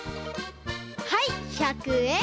はい１００えん。